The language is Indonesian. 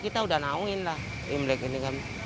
kita udah naungin lah imlek ini kan